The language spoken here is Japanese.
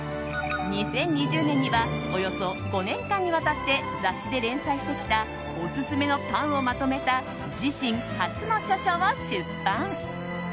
２０２０年にはおよそ５年間にわたって雑誌で連載してきたオススメのパンをまとめた自身初の著書を出版。